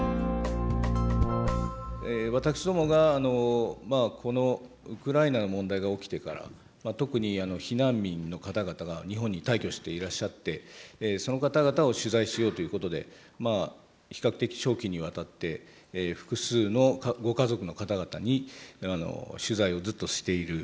私どもがこのウクライナの問題が起きてから特に避難民の方々が日本に大挙していらっしゃってその方々を取材しようということで比較的長期にわたって複数のご家族の方々に取材をずっとしている。